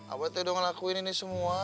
abah tuh udah ngelakuin ini semua